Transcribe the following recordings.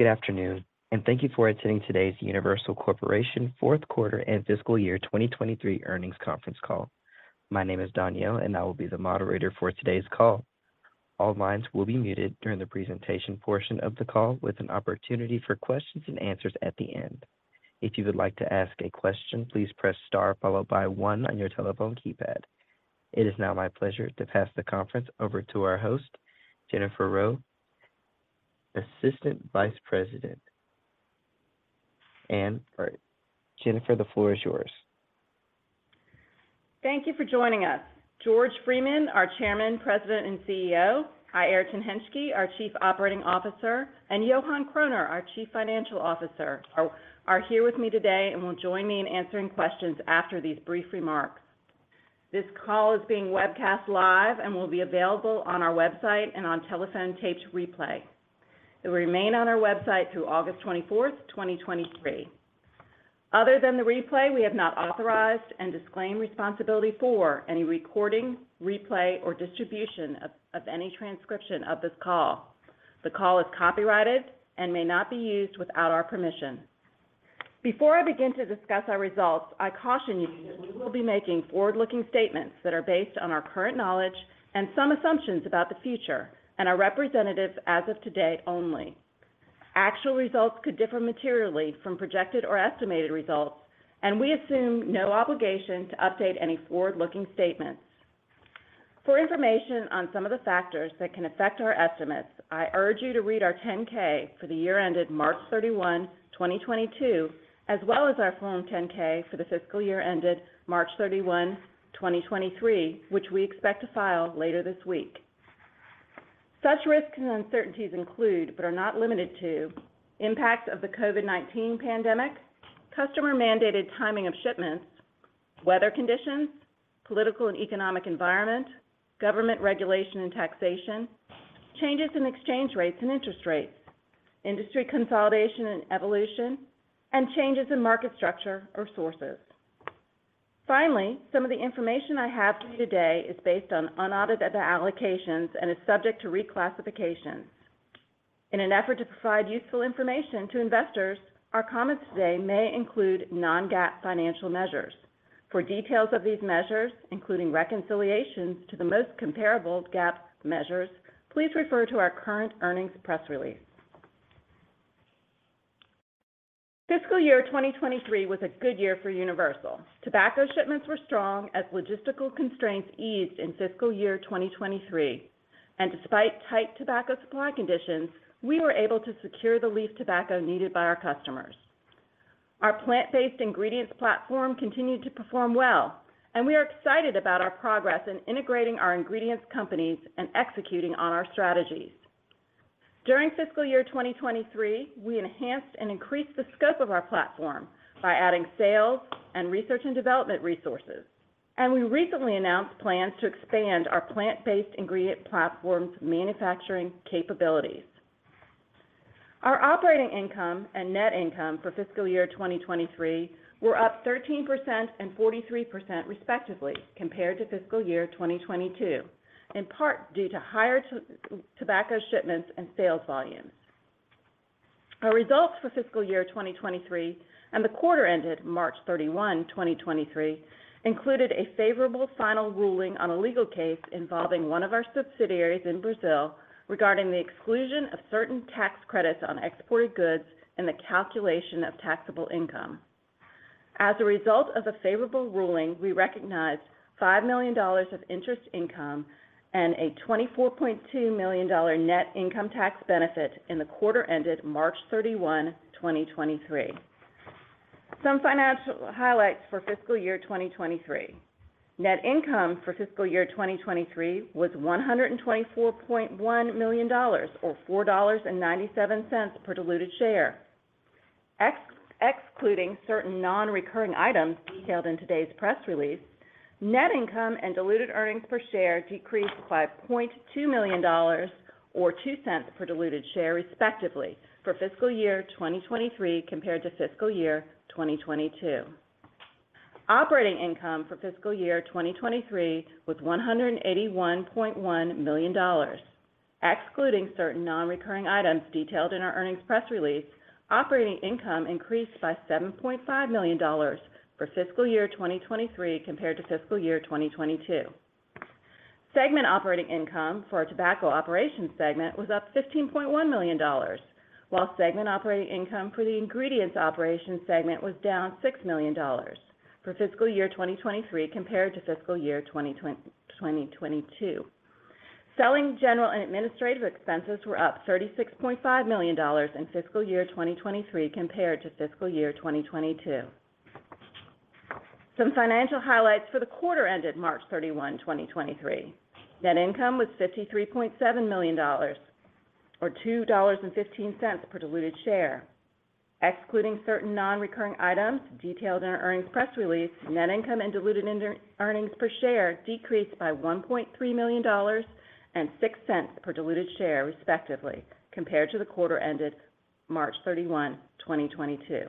Good afternoon, and thank you for attending today's Universal Corporation fourth quarter and fiscal year 2023 earnings conference call. My name is Danielle, and I will be the moderator for today's call. All lines will be muted during the presentation portion of the call with an opportunity for questions and answers at the end. If you would like to ask a question, please press star one on your telephone keypad. It is now my pleasure to pass the conference over to our host, Jennifer Rowe, Assistant Vice President. Jennifer, the floor is yours. Thank you for joining us. George Freeman, our Chairman, President, and CEO, Airton Hentschke, our Chief Operating Officer, and Johan Kroner, our Chief Financial Officer, are here with me today and will join me in answering questions after these brief remarks. This call is being webcast live and will be available on our website and on telephone taped replay. It will remain on our website through August 24th, 2023. Other than the replay, we have not authorized and disclaim responsibility for any recording, replay, or distribution of any transcription of this call. The call is copyrighted and may not be used without our permission. Before I begin to discuss our results, I caution you that we will be making forward-looking statements that are based on our current knowledge and some assumptions about the future and are representative as of today only. Actual results could differ materially from projected or estimated results. We assume no obligation to update any forward-looking statements. For information on some of the factors that can affect our estimates, I urge you to read our 10-K for the year ended March 31, 2022, as well as our Form 10-K for the fiscal year ended March 31, 2023, which we expect to file later this week. Such risks and uncertainties include, but are not limited to, impacts of the COVID-19 pandemic, customer-mandated timing of shipments, weather conditions, political and economic environment, government regulation and taxation, changes in exchange rates and interest rates, industry consolidation and evolution, and changes in market structure or sources. Finally, some of the information I have for you today is based on unaudited allocations and is subject to reclassifications. In an effort to provide useful information to investors, our comments today may include non-GAAP financial measures. For details of these measures, including reconciliations to the most comparable GAAP measures, please refer to our current earnings press release. Fiscal year 2023 was a good year for Universal. Tobacco shipments were strong as logistical constraints eased in fiscal year 2023. Despite tight tobacco supply conditions, we were able to secure the leaf tobacco needed by our customers. Our plant-based ingredients platform continued to perform well. We are excited about our progress in integrating our ingredients companies and executing on our strategies. During fiscal year 2023, we enhanced and increased the scope of our platform by adding sales and research and development resources. We recently announced plans to expand our plant-based ingredients platform's manufacturing capabilities. Our operating income and net income for fiscal year 2023 were up 13% and 43% respectively compared to fiscal year 2022, in part due to higher tobacco shipments and sales volumes. Our results for fiscal year 2023 and the quarter ended March 31, 2023, included a favorable final ruling on a legal case involving one of our subsidiaries in Brazil regarding the exclusion of certain tax credits on exported goods and the calculation of taxable income. As a result of the favorable ruling, we recognized $5 million of interest income and a $24.2 million net income tax benefit in the quarter ended March 31, 2023. Some financial highlights for fiscal year 2023. Net income for fiscal year 2023 was $124.1 million, or $4.97 per diluted share. Excluding certain non-recurring items detailed in today's press release, net income and diluted earnings per share decreased by $0.2 million, or $0.02 per diluted share respectively for fiscal year 2023 compared to fiscal year 2022. Operating income for fiscal year 2023 was $181.1 million. Excluding certain non-recurring items detailed in our earnings press release, operating income increased by $7.5 million for fiscal year 2023 compared to fiscal year 2022. Segment operating income for our Tobacco Operations segment was up $15.1 million, while segment operating income for the Ingredients Operations segment was down $6 million for fiscal year 2023 compared to fiscal year 2022. Selling general and administrative expenses were up $36.5 million in fiscal year 2023 compared to fiscal year 2022. Some financial highlights for the quarter ended March 31, 2023. Net income was $53.7 million or $2.15 per diluted share. Excluding certain non-recurring items detailed in our earnings press release, net income and diluted earnings per share decreased by $1.3 million and $0.06 per diluted share, respectively, compared to the quarter ended March 31, 2022.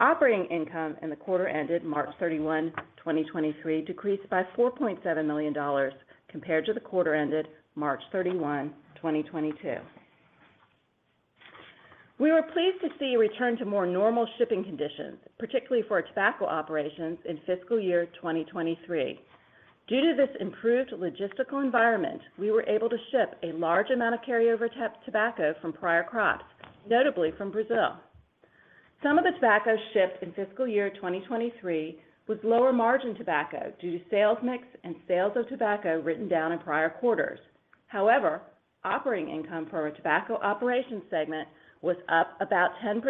Operating income in the quarter ended March 31, 2023, decreased by $4.7 million compared to the quarter ended March 31, 2022. We were pleased to see a return to more normal shipping conditions, particularly for our Tobacco Operations in fiscal year 2023. Due to this improved logistical environment, we were able to ship a large amount of carryover tobacco from prior crops, notably from Brazil. Some of the tobacco shipped in fiscal year 2023 was lower margin tobacco due to sales mix and sales of tobacco written down in prior quarters. Operating income for our Tobacco Operations segment was up about 10%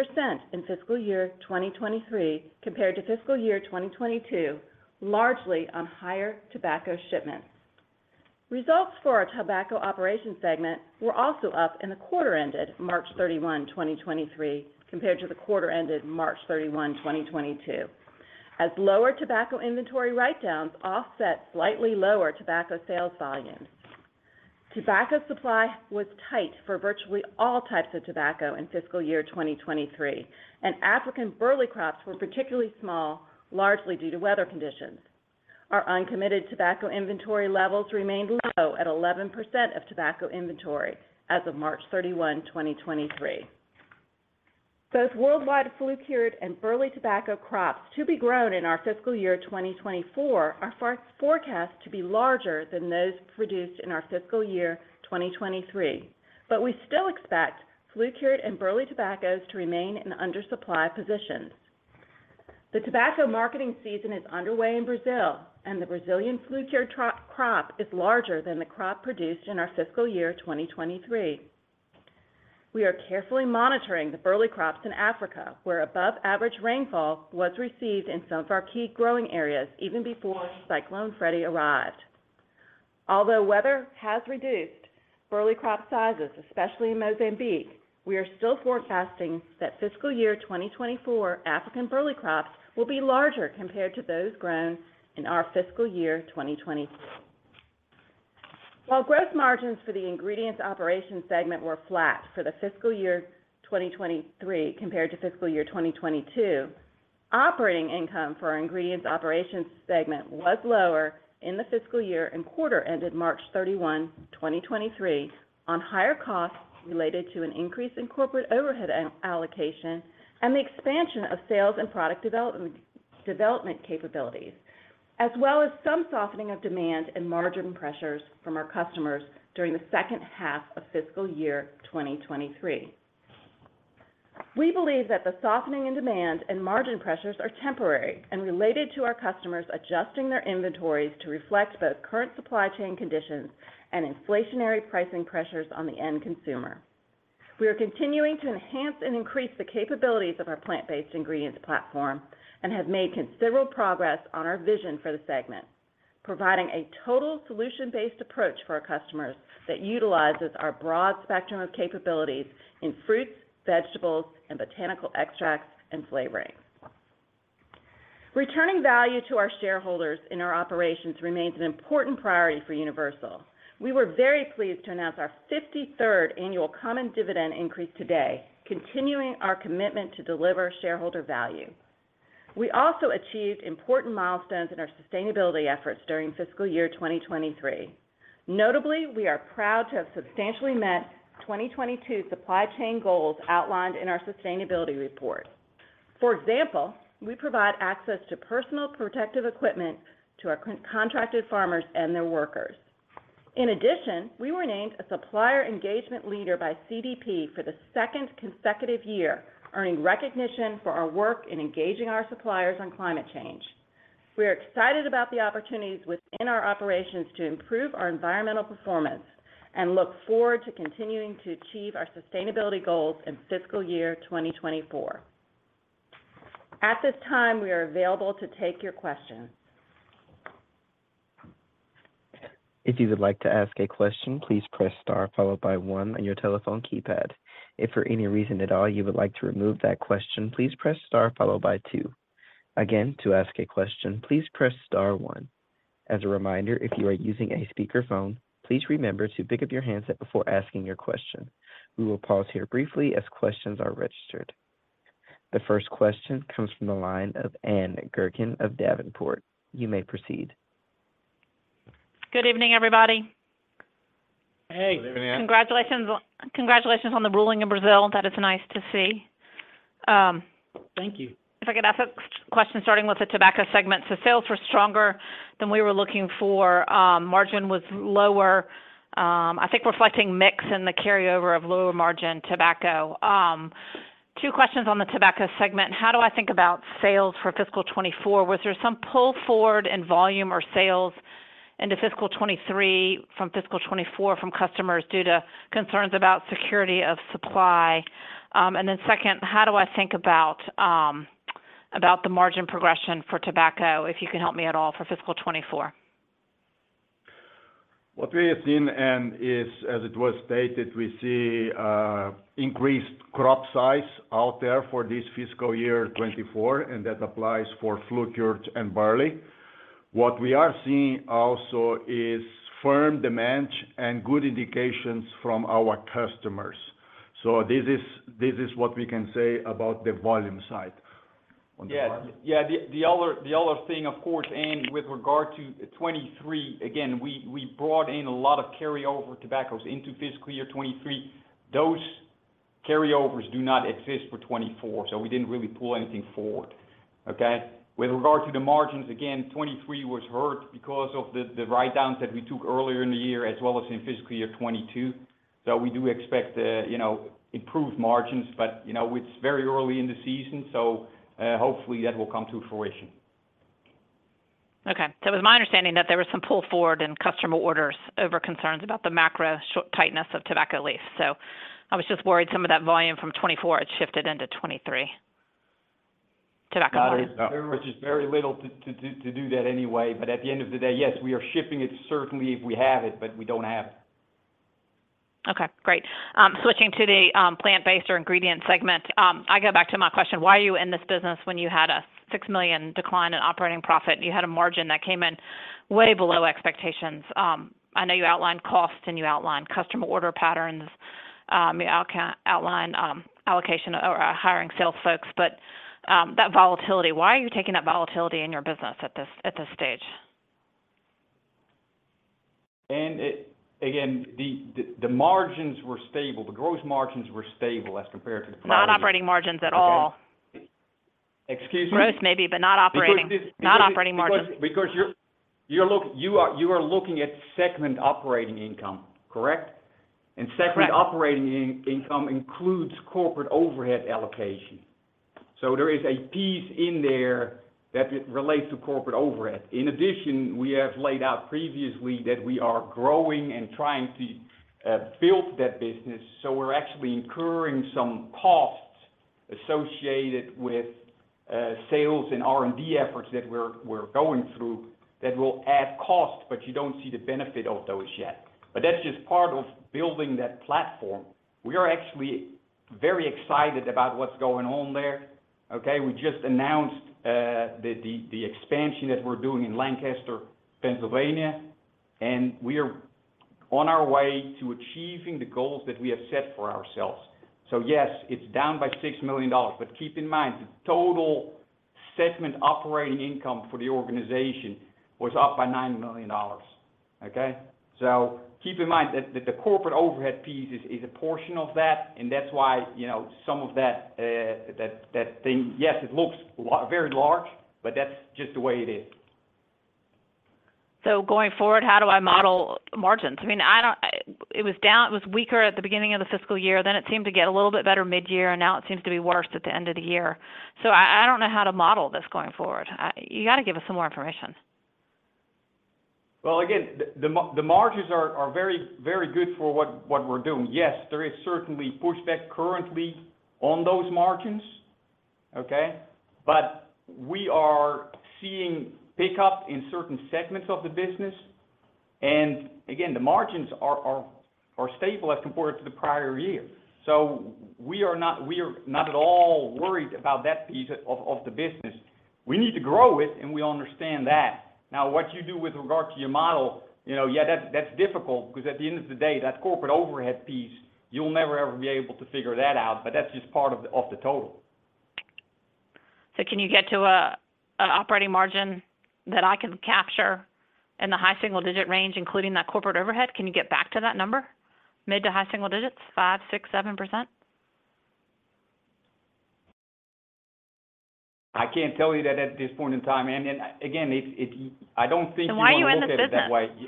in fiscal year 2023 compared to fiscal year 2022, largely on higher tobacco shipments. Results for our Tobacco Operations segment were also up in the quarter ended March 31, 2023, compared to the quarter ended March 31, 2022, as lower tobacco inventory write-downs offset slightly lower tobacco sales volumes. Tobacco supply was tight for virtually all types of tobacco in fiscal year 2023, and African burley crops were particularly small, largely due to weather conditions. Our uncommitted tobacco inventory levels remained low at 11% of tobacco inventory as of March 31, 2023. Both worldwide flue-cured and burley tobacco crops to be grown in our fiscal year 2024 are forecast to be larger than those produced in our fiscal year 2023. We still expect flue-cured and burley tobaccos to remain in under supply positions. The tobacco marketing season is underway in Brazil. The Brazilian flue-cured crop is larger than the crop produced in our fiscal year 2023. We are carefully monitoring the burley crops in Africa, where above average rainfall was received in some of our key growing areas even before Cyclone Freddy arrived. Although weather has reduced burley crop sizes, especially in Mozambique, we are still forecasting that fiscal year 2024 African burley crops will be larger compared to those grown in our fiscal year 2023. While gross margins for the Ingredients Operations segment were flat for the fiscal year 2023 compared to fiscal year 2022, operating income for our Ingredients Operations segment was lower in the fiscal year and quarter ended March 31, 2023 on higher costs related to an increase in corporate overhead allocation and the expansion of sales and product development capabilities, as well as some softening of demand and margin pressures from our customers during the second half of fiscal year 2023. We believe that the softening in demand and margin pressures are temporary and related to our customers adjusting their inventories to reflect both current supply chain conditions and inflationary pricing pressures on the end consumer. We are continuing to enhance and increase the capabilities of our plant-based ingredients platform and have made considerable progress on our vision for the segment, providing a total solution-based approach for our customers that utilizes our broad spectrum of capabilities in fruits, vegetables, and botanical extracts and flavorings. Returning value to our shareholders in our operations remains an important priority for Universal. We were very pleased to announce our 53rd annual common dividend increase today, continuing our commitment to deliver shareholder value. We also achieved important milestones in our sustainability efforts during fiscal year 2023. Notably, we are proud to have substantially met 2022 supply chain goals outlined in our sustainability report. For example, we provide access to personal protective equipment to our contracted farmers and their workers. In addition, we were named a Supplier Engagement Leader by CDP for the second consecutive year, earning recognition for our work in engaging our suppliers on climate change. We are excited about the opportunities within our operations to improve our environmental performance and look forward to continuing to achieve our sustainability goals in fiscal year 2024. At this time, we are available to take your questions. If you would like to ask a question, please press star followed by one on your telephone keypad. If for any reason at all you would like to remove that question, please press star followed by two. Again, to ask a question, please press star one. As a reminder, if you are using a speakerphone, please remember to pick up your handset before asking your question. We will pause here briefly as questions are registered. The first question comes from the line of Ann Gurkin of Davenport. You may proceed. Good evening, everybody. Hey. Good evening, Anne. Congratulations on the ruling in Brazil. That is nice to see. Thank you. If I could ask a question starting with the tobacco segment. Sales were stronger than we were looking for. Margin was lower, I think reflecting mix in the carryover of lower margin tobacco. Two questions on the tobacco segment. How do I think about sales for fiscal 2024? Was there some pull forward in volume or sales into fiscal 2023 from fiscal 2024 from customers due to concerns about security of supply? Second, how do I think about the margin progression for tobacco, if you can help me at all for fiscal 2024? What we have seen, Ann, is, as it was stated, we see increased crop size out there for this fiscal year 2024. That applies for flue-cured and burley. What we are seeing also is firm demand and good indications from our customers. This is what we can say about the volume side. Yeah. Yeah. The other thing, of course, Ann, with regard to 2023, again, we brought in a lot of carry-over tobaccos into fiscal year 2023. Those carryovers do not exist for 2024, we didn't really pull anything forward. Okay? With regard to the margins, again, 2023 was hurt because of the write-downs that we took earlier in the year, as well as in fiscal year 2022. We do expect, you know, improved margins. You know, it's very early in the season, hopefully that will come to fruition. It was my understanding that there was some pull forward in customer orders over concerns about the macro tightness of tobacco leaf. I was just worried some of that volume from 2024 had shifted into 2023. Tobacco volume. Yeah. There was just very little to do that anyway. At the end of the day, yes, we are shipping it certainly if we have it, but we don't have it. Okay, great. Switching to the plant-based or Ingredients segment. I go back to my question, why are you in this business when you had a $6 million decline in operating profit and you had a margin that came in way below expectations? I know you outlined costs and you outlined customer order patterns, you outlined allocation or hiring sales folks. That volatility, why are you taking that volatility in your business at this stage? Again, the margins were stable. The gross margins were stable as compared to the prior year. Not operating margins at all. Okay. Excuse me? Gross maybe, but not operating. Because this, because— Not operating margins. You are looking at segment operating income, correct? Correct. Segment operating income includes corporate overhead allocation. There is a piece in there that relates to corporate overhead. In addition, we have laid out previously that we are growing and trying to build that business, so we're actually incurring some costs associated with sales and R&D efforts that we're going through that will add cost, but you don't see the benefit of those yet. That's just part of building that platform. We are actually very excited about what's going on there, okay? We just announced the expansion that we're doing in Lancaster, Pennsylvania, and we are on our way to achieving the goals that we have set for ourselves. Yes, it's down by $6 million. Keep in mind, the total segment operating income for the organization was up by $9 million, okay? Keep in mind that the corporate overhead piece is a portion of that, and that's why, you know, some of that thing, yes, it looks very large, but that's just the way it is. Going forward, how do I model margins? I mean, I don't. It was down, it was weaker at the beginning of the fiscal year, then it seemed to get a little bit better midyear, and now it seems to be worse at the end of the year. I don't know how to model this going forward. You gotta give us some more information. Well, again, the margins are very, very good for what we're doing. Yes, there is certainly pushback currently on those margins, okay? We are seeing pickup in certain segments of the business. Again, the margins are stable as compared to the prior year. We are not at all worried about that piece of the business. We need to grow it, and we understand that. Now, what you do with regard to your model, you know, that's difficult, because at the end of the day, that corporate overhead piece, you'll never, ever be able to figure that out, but that's just part of the total. Can you get to a operating margin that I can capture in the high single-digit range, including that corporate overhead? Can you get back to that number? Mid to high single digits, 5%, 6%, 7%? I can't tell you that at this point in time. Again, I don't think you wanna look at it that way. Why are you in the business?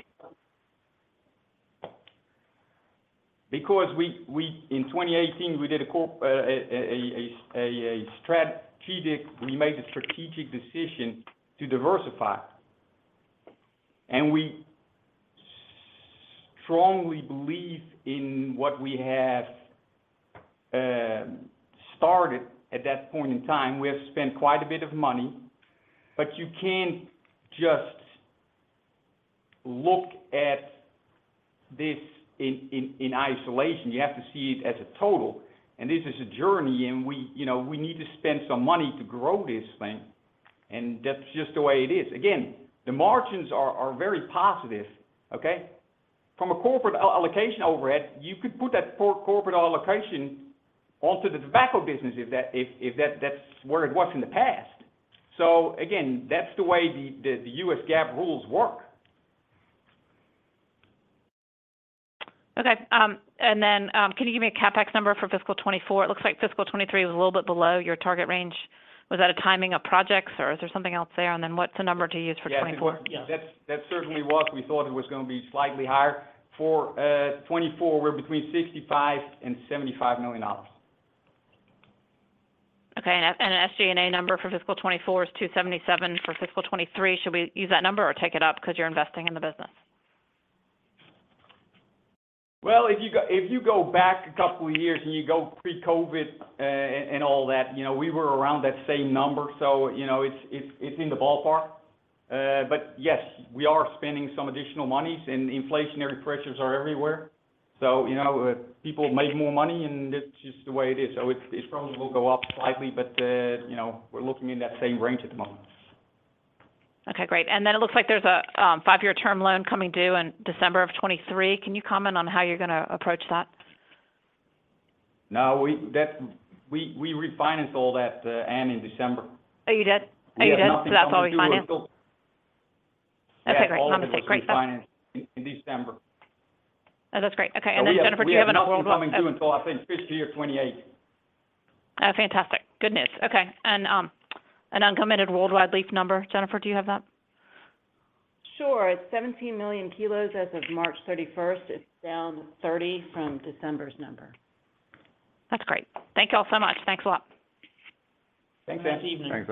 Because we, in 2018 we did a strategic, we made a strategic decision to diversify. We strongly believe in what we have started at that point in time. We have spent quite a bit of money, but you can't just look at this in isolation. You have to see it as a total. This is a journey and we, you know, we need to spend some money to grow this thing, and that's just the way it is. Again, the margins are very positive, okay? From a corporate allocation overhead, you could put that corporate allocation onto the tobacco business if that's where it was in the past. Again, that's the way the U.S. GAAP rules work. Okay. Can you give me a CapEx number for fiscal 2024? It looks like fiscal 2023 was a little bit below your target range. Was that a timing of projects, or is there something else there? What's the number to use for 2024? Yeah. That certainly was. We thought it was gonna be slightly higher. For 2024, we're between $65 million and $75 million. Okay. SG&A number for fiscal 2024 is $277. For fiscal 2023, should we use that number or take it up because you're investing in the business? Well, if you go back a couple years and you go pre-COVID, and all that, you know, we were around that same number. You know, it's in the ballpark. Yes, we are spending some additional monies. Inflationary pressures are everywhere. You know, people make more money, and that's just the way it is. It probably will go up slightly, you know, we're looking in that same range at the moment. Okay, great. It looks like there's a five-year term loan coming due in December of 2023. Can you comment on how you're gonna approach that? No, We refinanced all that, Ann, in December. Oh, you did? We had nothing coming due until. Oh, you did? That's already financed? We had nothing coming due until— Okay, great. All mistakes. Great. We refinanced in December. Oh, that's great. Okay. And we have— Jennifer, do you have a number? We have no loan coming due until, I think, fiscal year 28. Oh, fantastic. Good news. Okay. An uncommitted worldwide leaf number. Jennifer, do you have that? Sure. It's 17 million kilos as of March 31st. It's down 30 from December's number. That's great. Thank you all so much. Thanks a lot. Thanks, Ann. Good evening.